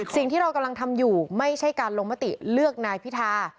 สิ่งที่เรากำลังทำอยู่ไม่ใช่การลงมติเลือกนายพิธา